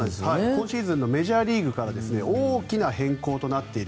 今シーズンのメジャーリーグから大きな変更となっている